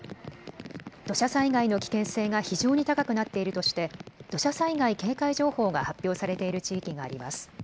土砂災害の危険性が非常に高くなっているとして土砂災害警戒情報が発表されている地域があります。